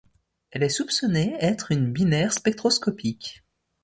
Elle est soupçonnée être une binaire spectroscopique.